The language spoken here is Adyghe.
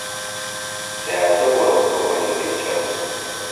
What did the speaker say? Сятэ орэд къыӏоныр икӏас.